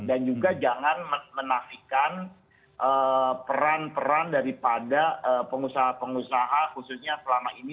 dan juga jangan menafikan peran peran daripada pengusaha pengusaha khususnya selama ini